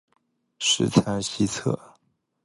十仓西侧。